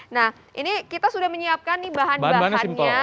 nah ini kita sudah menyiapkan nih bahan bahannya